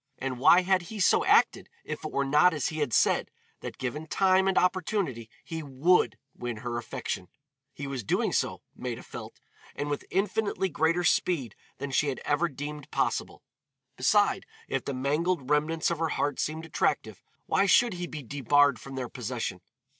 And why had he so acted if it were not as he had said, that given time and opportunity he would win her affection. He was doing so, Maida felt, and with infinitely greater speed than she had ever deemed possible. Beside, if the mangled remnants of her heart seemed attractive, why should he be debarred from their possession?